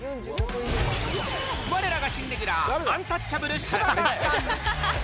われらが新レギュラー、アンタッチャブル・柴田さん。